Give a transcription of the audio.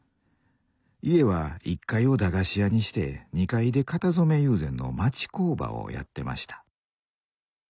家は１階を駄菓子屋にして２階で型染友禅の町工場をやってました。